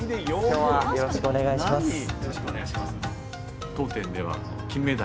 よろしくお願いします。